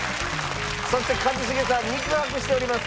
そして一茂さん肉薄しております